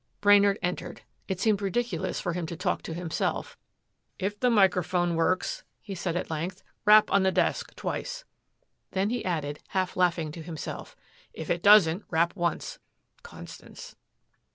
Brainard entered. It seemed ridiculous for him to talk to himself. "If the microphone works," he said at length, "rap on the desk twice." Then he added, half laughing to himself, "If it doesn't, rap once Constance."